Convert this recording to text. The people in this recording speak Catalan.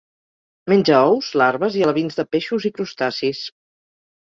Menja ous, larves i alevins de peixos i crustacis.